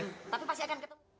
tapi pasti akan ketemu